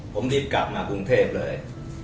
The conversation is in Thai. ผมรีบกลับมากรุงเทพเลย